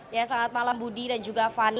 ya selamat malam budi dan juga fani